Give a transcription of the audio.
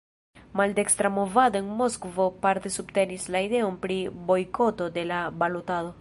Maldekstra movado en Moskvo parte subtenis la ideon pri bojkoto de la balotado.